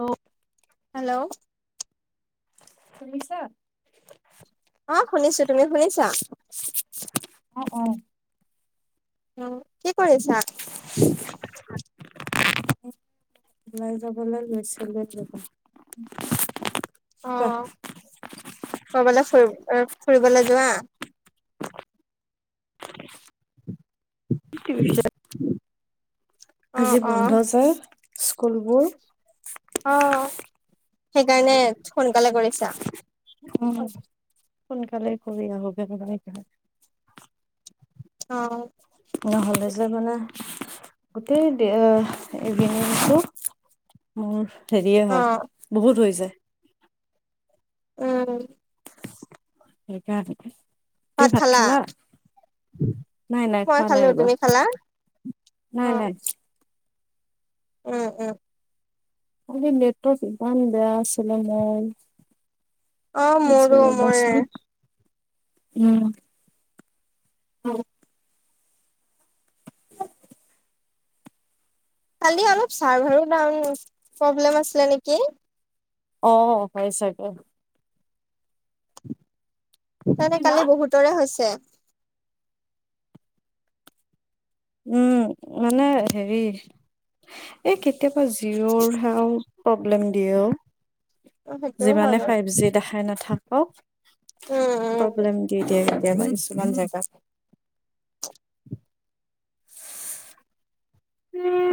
অ' hello শুনিছা? অ শুনিছো তুমি শুনিছা অ অ। উ কি কৰিছা? ওলাই যাবলৈ লৈছিলো তো। অ', কবালৈ ফুৰি ফুৰিবলৈ যোৱা। [inaudible] [unintelligible] অ আজি অ বন্ধ যায় স্কুলবোৰ। অ সেইকাৰণে সোনকালে কৰিছা। সোনকালে কৰি আহোগৈ বুলি অ নহ'লে যে মানে গোটেই দে এইকেইদিন ম হেৰিয়ে অ হয় বহুত হৈ যায়। উম সেইকাৰণে, তুমি ভাত খালা? নাই নাই মই খোৱা খালো নাই ৰবা, তুমি খালা নাই নাই। উ উ খালি নেটৱৰ্ক ইমান বেয়া আছিলে মোৰ। অ মোৰো হৈছে ৰ'বা মোৰ চোন। অ কালি অলপ চাৰ্ভাৰো ডউন প্ৰব্লেম আছিলে নেকি? অ হৈ চাগে। তানে কালি বহুতৰে হৈছে। উম, মানে হেৰি এই কেতিয়াবা জিৰৰ হাও প্ৰব্লেম দিয়েও। অ সেইটোও হয় যিমানে বাৰু ফাইভ জি দেখাই নাথাকক উম উম প্ৰব্লেম দি দিয়ে। কিছুমান মান জেগাত।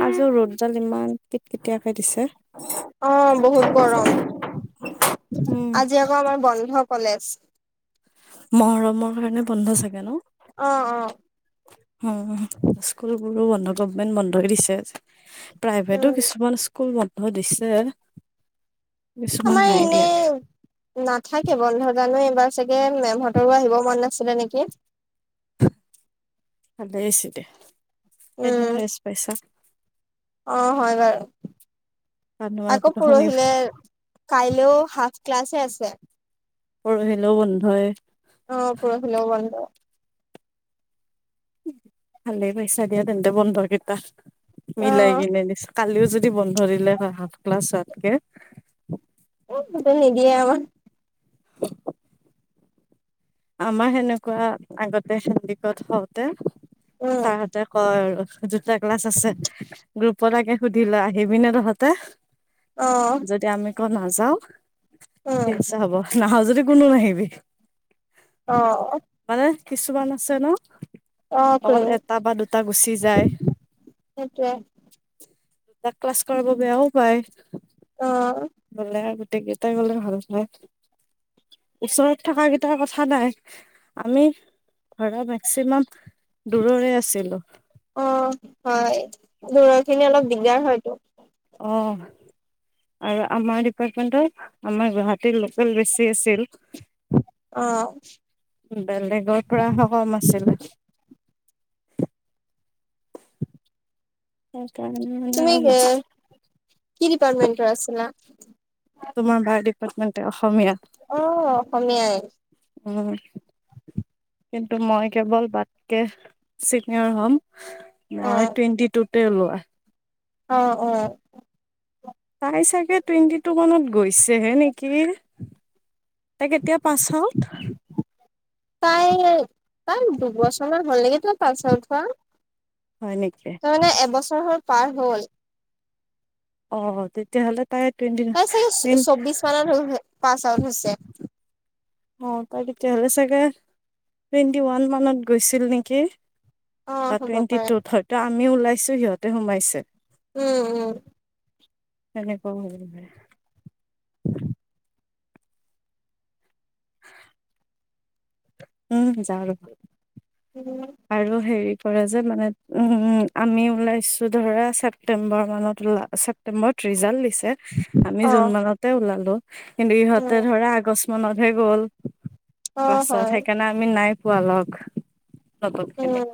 আজি ৰ'দডাল ইমান কেট কেটাকে দিছে। অ বহুত গৰম, উম, আজি আকৌ আমাৰ বন্ধ। ধ কলেজ। মৰমৰ কাৰণে বন্ধ চাগে ন। অ অ। অ, স্কুলবোৰো বন্ধ গভমেণ্ট বন্ধই দিছে আজি। প্ৰাইভেটো উম কিছুমান স্কুল বন্ধ দিছে। কিছুমান আমাৰ নাই এনে দিয়া নাথাকে বন্ধ জানো এইবাৰ চাগে মেমহঁতৰো আহিব মন নাছিলে নেকি? [unintelligible] দে এদিন উম, ৰেষ্ট পাইচা। অ, হয় বাৰু কাৰণ আকৌ তোমালোকৰতো শনি পৰহিলে কাইলেও সাত ক্লাছে আছে। পৰহিলেও বন্ধয়ে। অ, পৰশিলেও বন্দ। ভালে পাইচা দিয়া তেন্তে বন্দকেইটা। মিলাই অ' কিনে দিছো কালিও যদি বন্ধ দিলে হয় হাফ ক্লাছ হোৱাতকে [unintelligible] আমাৰ সেনেকুৱা আগতে হেন্দিকত হওঁতে উম, ছাৰহঁতে কয় আৰু দুটা ক্লাছ আছে গ্ৰুপৰাকে সুধিল ল'আহিবি নে তহঁতে? অহ', ক নাযাও ঠিক আছে হব নাহ যদি কোনো নাহিবি। অহ', কিছুুমান আছে ন' খুৰী অকল এটা বা দুটা গুচি যায় সেইটোৱে তাক ক্লাছ কৰাব বেয়াও পায়। অ, বলে আৰু গোটেই গেইটা গলে ভাল হয়। ওচৰত থকা কেইটাৰ কথা নাই আমি ঘৰৰ মেক্সিমাম দূৰৰে আছিলো। অ' হয় দূৰৰ খিনি অলপ দিগদাৰ হয়টো। অ আৰু আমাৰ ডিপাৰ্টমেণ্টৰ আমাৰ গুৱাহাটীৰ লোকেল বেছি আছিল। অ' বেলেগৰ পৰা স ক'ম আছিলে। তুমি এ কি ডিপাৰ্টমেন্টৰ [unintelligible] আছিলা? তোমাৰ বায়' ডিপাৰ্টমেণ্টৰ অসমীয়া? অহ, অসমীয়াই। উম, কিন্তু মই কেৱল বাতকে চিনিয়ৰ হ'ম মই টুৱেণ্টি টুতে ওলোৱা। অহ, অ। টাই চাগে টুৱেণ্টি টু মানত গৈছেহে নেকি? তাই কেতিয়া পাচ আউট? তাই তাই দুবছৰ হ'লে [unintelligible] পাচ আউটচ হোৱা। হয় নেকি তাইমানে এবছৰ হৈ পাৰ হ'ল। অ, তেতিয়াহ'লে তাই টুৱেণ্টি তাই চাগে চৌ টুৱেণ্টি চৌবিশ মানত পাছ আউট হৈছে। অ', তাই তেতিয়াহ'লে চাগে টুৱেন্টি ওৱান মানত গৈছিল নেকি? অ হ'ব টুৱেন্টি পাৰে টুত হয়তো আমিও ওলাইছো সিহঁতে সোমাইছে। উম', উম। তেনেকুৱাও হ'ব পাৰে। [inaudible] উম, যাও আৰু। উম আৰু হেৰি কৰা যে, মানে উম, আমি ওলাইছো ধৰা ছেপটেম্বৰ মানত ছেপ্তেম্বৰত ৰিজাল্ট দি ছে আমি অ জুন মানতে ওভালে কিন্তু ইহতে উম ধৰা আগ মনতহে গ'ল অ ক্লাছত হয় সেইকাৰণে আমি নাই পোৱালগ নতম খেলে উম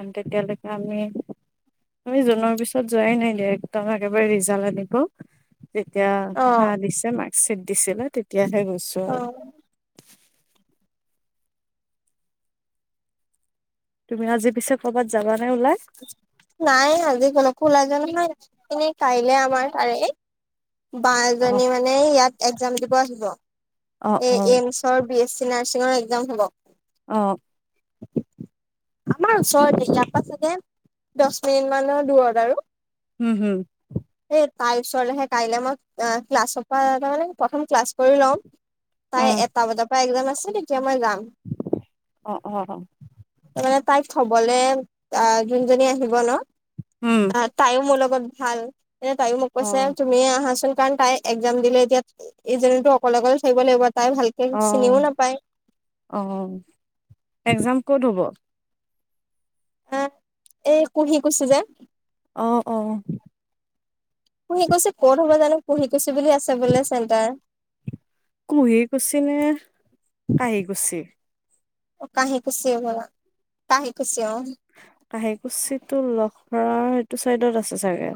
[unintelligible] আমি আমি জুনৰ পিছত যোৱাই নাই দিয়া একদম একেবাৰে ৰিজাল্ট আনিব। যেতিয়া অ ভা দিছে মাৰ্কশ্বিট দিছিলে তেতিয়াহে গৈছো অ আৰু তুমি আজি পিছে কৰ'বাত যাবা নে ওলাই নাই আজি কোনোলাজ নহয়ি কাইলে আমাৰ তাৰে। বাা অ এজনী মানে ইয়াত একজাম দিব আহিব অ এ অ এইমচৰ বি এছ চি। [unintelligible] চিঙৰ এক্সাম হ'ব। অ'। আমাৰ ওচৰতে ইয়াৰ পৰা চাগে দহ মিনিট মানৰ দূৰত আৰু। হম হম। তাৰ ওচৰলৈহে কাইলৈ মই ক্লাছৰ পৰা মানে প্ৰথম ক্লাছ কৰি লম। অ তাই এটা বতাৰ পৰা একদাম আছে নেকি মই গাম অ অ মানে তাইক থবলৈ আহ যোনজনী আহিব ন উম, তাইও মোৰ লগত ভাল এ তয়ও মোক অ কৈছে তুমি আহাচোন। কাৰণ তাই এক্জাম দিলে এতিয়া ইটো অকলে অকলে থাকিব লাগিব। তাই ভালকে আহ চিনিও নাপায় আহ এক্জাম ক'ত হ'ব। হ এই কুঁহি কুছি যে অ', অ'। পুহি কুছি ক'ত হ'ব জানো পুহি কুছি বুলি আছে বোলে চেণ্টাৰ। কুহি কুছি নে কাহি কুছি। অ কাহ কুছেিয় বা কাহ কুছেিয় অ কাহ কুছি টো লখ্মৰৰ সটো চাইডত আছে চাগে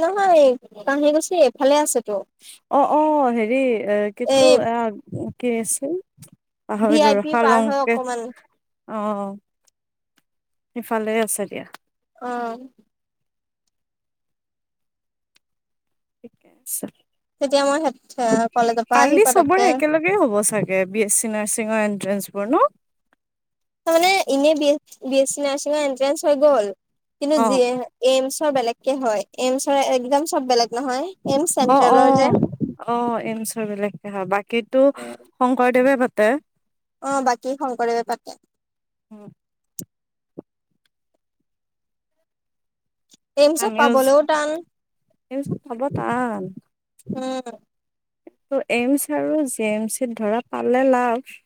নহয় কহি গুছি এফালে আছে অ', অ' হেৰি কিন্তু এই আহ কি আছিল। ভি আই পি পাৰ হৈ অকমান [unintelligible] অ' সিফালে আছে দিয়া। উম। ঠিকে আছে। তেতিয়া মই। কলেজৰ পৰা আহি পালি পতককে চবৰে একেলগে হ'ব চাগে বিছি নাৰিঙৰ এণ্ট্ৰেন্স পোৰ ন। তাৰানে এনে বি এছ চি নাৰছিঙৰ এন্ট্ৰেন্ঞ্চ হৈ গল কিন্তু অ [unintelligible] বেলেগকে হয় এইমছৰ এক্জাম চব বেলেগ নহয়। এইমছ অ', চেন্ট্ৰেলৰ যে অ', অ' এ [unintelligible] বিলাকে হয় বাকীটো শংকৰদেৱে পাতে। অ' বাকী শংকৰদেৱে পাতে। উম। এইমচত আমিও পাবলৈও টান এইমছত পাব টান উম। এইমছ আৰু জে এম চিত ধৰা পালে লাভ।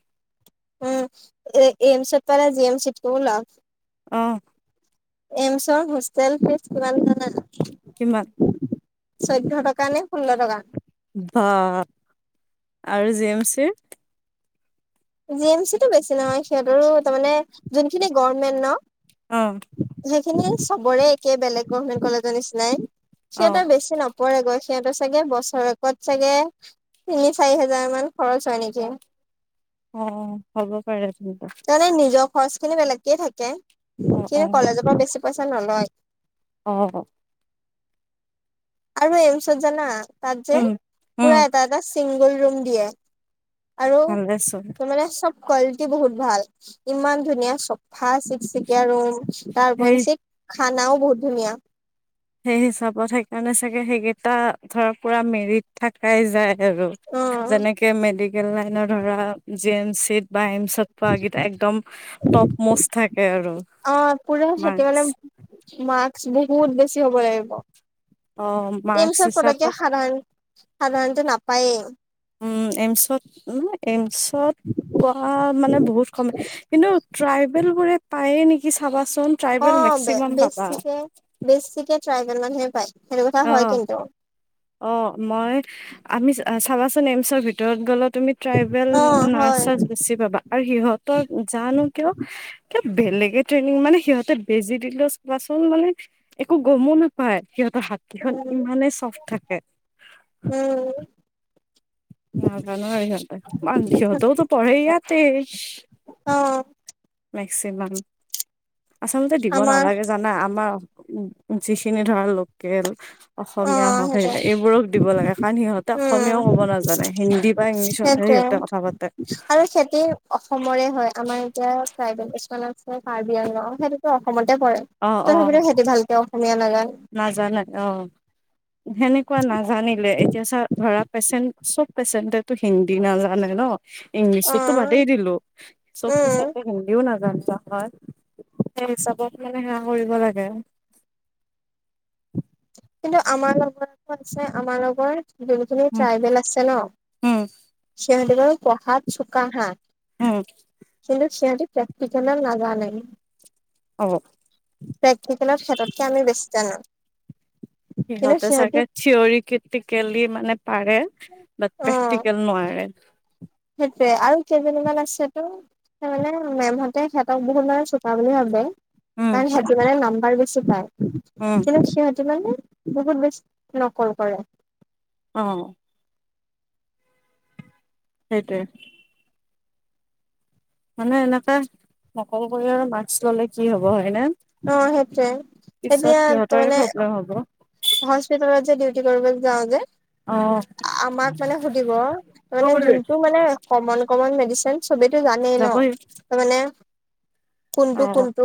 [unintelligible] অ'। এমইচৰ হষ্টেল ফিজ কিমান জানা? কিমান? চৈধ্য টকা নে ষোল্ল টকা বা আৰু জি এম চিৰ জি এম চি টো বেছি নহয় সিহঁতৰো তাৰমানে যোনখিনি গমেন্ট ন। অ সেইখিনি চবৰে একে বেলেগ গভমেন্ট কলেজৰ নিচিনাই। অ সিহতৰ বেছি নপৰে গৈ। এয়াতো চাগে বছৰেকত চাগে তিনি চাৰি হাজাৰ মান খৰচ হয় নেকি। অ' হ'ব পাৰে। তেন্তে তাৰমানে নিজৰ খৰচ খিনি বেলেগকে থাকে অ কিন্তু কলেজৰ পৰা বেছি পইচা নলয়। অহ। আৰু এইমছত জানা তাত যে উম উম পুৰা এটা এটা চিংগল ৰুম দিয়ে। আৰু ভালেচোন তোমানে চব কোৱালিটি বহুত ভাল ইমান ধুনীয়া চফা চিকচিকীয়া ৰুম। তাৰপ সেই স খানাও বহুত ধুনীয়া। সেই হিচাপত সেইকাৰণে চাগে সেইকেইটা ধৰ পুৰা মেৰিত থাকাই যায় আৰু অ', যেনেকে মেডিকেল লাইন ধৰা জি এম চিিত বা এমছত পোৱা গীত একদম টপ মষ্ট থাকে আৰু সতিয়লে মাৰ্কচ ম বহুত বেছি হ'ব লাগিব। অ মাৰ্কচ এইমছৰ হিচাপত পকে সাধণ সাধাৰণতে নাপায়েই। উম এইমচত এইমচত পোৱা মানে বহুত কয় কিন্তু। ট্ৰাইবেল কৰে পায়ে নেকি চাবা। অ' বেছিকে বেছিকে ট্ৰাই সিমান মানুহে পায়, সেইটো কথা হয় কিন্তু। অহ মই আমি চাবাচোন এমচৰ ভিতৰত গ'লত তুমি ট্ৰাইবেল অ হয় নাৰ্চছ বেছি পাবা আৰু সিহঁতৰ জানো কিয় বেলেগে ট্ৰেইনিং মানে সিহঁতে বেজি দিলে কাচোন মানে একো গমো নাপায়। সিহঁতৰ হাতীখন উম ইমানেই চফট থাকে। উম ন কাৰ ন য মানিতও পঢ়ে আতে। অহ'। মেক্সিমাম। আচলতে দিব আমাৰ নালাগে জানা, আমাৰ উম যিখিনি ধৰা লোকেল। অ অসমীয়া হওঁক সেইটোৱে সেই এইবোৰক দিব লাগে, কাৰণ সিহঁতে উম অসমীয়াও ক'ব নাজানে হিন্দী বা ইংলিছতহে তে। সিহঁতে কথা পাতে আৰু খেতি অসমৰে হয় আমাৰ এতিয়া ট্ৰাইবেল আছে কাৰ্বি আংলং সেইটোতো অসমত অসমতে পৰে, অ অ তথাপিতো সিহঁতে ভালকে অসমীয়া নাজানে। নাজানে অহ। সেনেকুৱা নাজানিলে এতিয়া চা, ধৰা পেচেণ্ট চব পেচেণ্টেটো হিন্দী নাজানে ন। অ ইংলিছততো বাদেই দিলো, চব উম পেচেণ্টৈ হিন্দীও নাজা [unintelligible] সেই হিচাপত মানে সেয়া কৰিব লাগে। কিন্তু আমাৰ লগৰ আছে আমাৰ লগৰ যোনখিনি উম ট্ৰাইবেল আছে ন। উম সিহঁতে বাৰু পঢ়াত চুকা হা, উম কিন্তু সিহঁতে প্ৰেক্টিকেলৰ নাজানেই। হ'ব প্ৰেক্টিকেলৰ ক্ষেত্ৰতকে আমি বেছি জানোঁ। সিহঁতে চাগে থিয়ৰী ক্ৰিটিকেলী মানে পাৰে, বাট প্ৰেক্টিকেল নোৱাৰে। সেইটোয়ে আৰু কেইজনীমান আছেতো তাৰমানে মেমহতে সিহঁতক বহুত মানে চোকা বুলি ভাবে। উম তাহাঁতি মানে নাম্বাৰ বেছি পায়। উম কিন্তু সিহঁতি মানে বহুত বেছি নকল কৰে। অহ'। সেইটোৱে। মানে এনেকাে নকল কৰি আৰু মাস্ক ল'লে কি হ'ব হয়নে। অহ' সেইটোৱে পিছত এতিয়া তাৰ সিহঁতৰে মানে প্ৰব্লেম হব হস্পিতালত ডিউটি কৰিব যাওঁ যে। আমাক মানে সুধিব, মানে অ যোনটো মানে কমন কমন মেডিচিন চবিতটো জানেই ন যাবই তাৰমানে অ কোনটো কোনটো।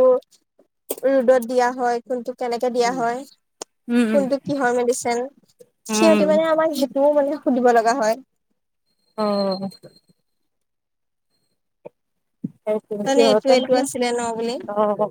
ৰ'দত দিয়া হয়, কোনটোক কেনেকে দিয়া হয়। উম উম কোনটো কিহৰ মেডিচিন সিহঁতি উম মানে আমাক সেইটোও মানে সুধিব লগা হয়। অহ'। আৰু তাৰমানে এইটো সিহঁতে এইটো মানে, আছিলে ন বুলি অহ।